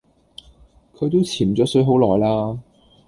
佢都潛左水好耐啦